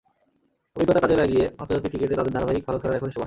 অভিজ্ঞতা কাজে লাগিয়ে আন্তর্জাতিক ক্রিকেটে তাদের ধারাবাহিক ভালো খেলার এখনই সময়।